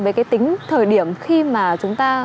với cái tính thời điểm khi mà chúng ta